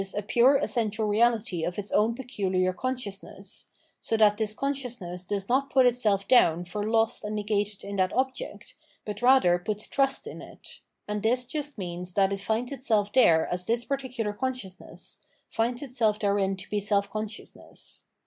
a pure sssential reahty of its own peculiar consciousness ; so that this consciousness does not put itself down for lost and negated in that object, but rather puts trust in it; and this just means that it finds itself there as this par ticular consciousness, finds itself therein to be self con sciousness.